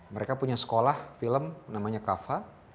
mereka punya sekolah film namanya kava